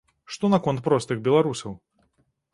Што наконт простых беларусаў?